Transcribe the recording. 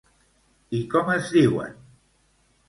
I com es diuen?